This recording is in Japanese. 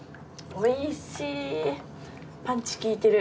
おいしい！